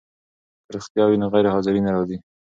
که روغتیا وي نو غیرحاضري نه راځي.